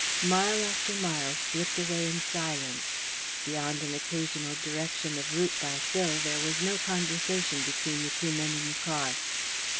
Mile after mile slipped away in silence. Beyond an occasional direction of route by Phil there was no conversation between the two men in the car.